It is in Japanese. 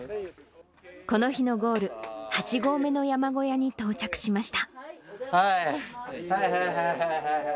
この日のゴール、８合目の山小屋に到着しました。